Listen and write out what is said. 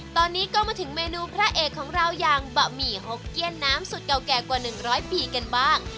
ตอนนี้ก็มาถึงเมนูพระเอกของเราอย่างบะหมี่หกเกี้ยนน้ำสุดเก่าแก่กว่า๑๐๐ปีกันบ้าง